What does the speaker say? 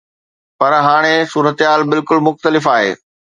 پر هاڻي صورتحال بلڪل مختلف آهي.